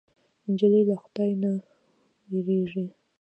نجلۍ له خدای نه وېرېږي.